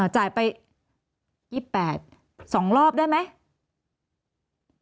จ่ายไป๒๘๒รอบได้ไหม